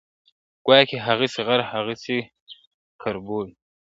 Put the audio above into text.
ګواکي« هغسي غر هغسي کربوړی `